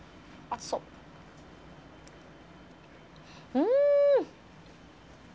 うん。